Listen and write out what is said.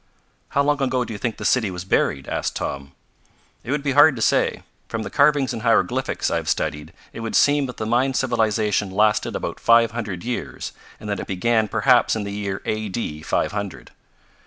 "How long ago do you think the city was buried?" asked Tom. "It would be hard to say. From the carvings and hieroglyphics I have studied it would seem that the Mayan civilization lasted about five hundred years, and that it began perhaps in the year A. D. five hundred."